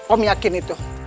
om yakin itu